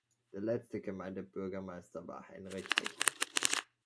Der letzte Gemeindebürgermeister war Heinrich Hecht.